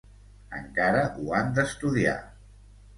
Encara ho han d’estudiar.